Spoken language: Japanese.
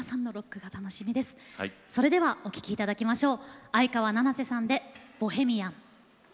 それではお聴きいただきましょう。